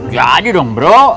jadi dong bro